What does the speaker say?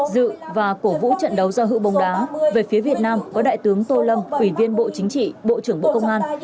dự và cổ vũ trận đấu giao hữu bóng đá về phía việt nam có đại tướng tô lâm ủy viên bộ chính trị bộ trưởng bộ công an